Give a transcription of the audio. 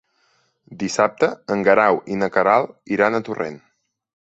Dissabte en Guerau i na Queralt iran a Torrent.